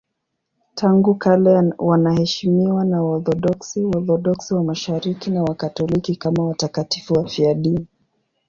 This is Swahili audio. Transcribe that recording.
Tangu kale wanaheshimiwa na Waorthodoksi, Waorthodoksi wa Mashariki na Wakatoliki kama watakatifu wafiadini.